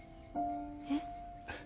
えっ。